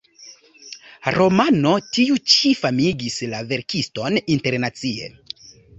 Romano tiu ĉi famigis la verkiston internacie.